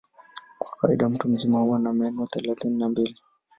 Kwa kawaida mtu mzima huwa na meno thelathini na mbili.